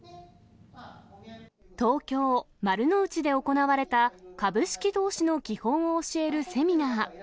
東京・丸の内で行われた、株式投資の基本を教えるセミナー。